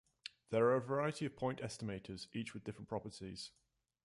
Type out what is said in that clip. There are a variety of point estimators, each with different properties.